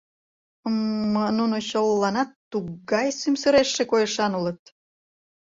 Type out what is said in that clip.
— М-м... нуно чыл-ланат т-тугай сӱмсырештше койышан улыт.